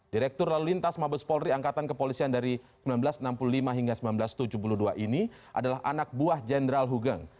direktur lalu lintas mabes polri angkatan kepolisian dari seribu sembilan ratus enam puluh lima hingga seribu sembilan ratus tujuh puluh dua ini adalah anak buah jenderal hugeng